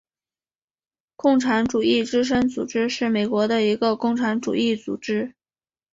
共产主义之声组织是美国的一个共产主义组织。